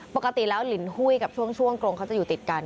ปกติแล้วลินหุ้ยกับช่วงกรงเขาจะอยู่ติดกัน